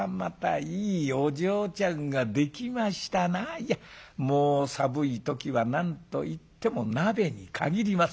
いやもう寒い時は何と言っても鍋に限ります。